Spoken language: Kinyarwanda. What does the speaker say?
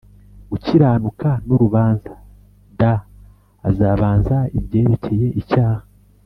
Gukiranuka n urubanza d azabanza ibyerekeye icyaha